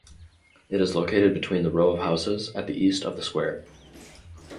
It is located between the row of houses at the east of the square.